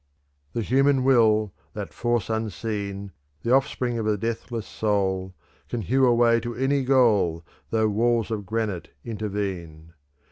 _ "The human will, that force unseen, The offspring of a deathless soul, Can hew a way to any goal, Though walls of granite intervene.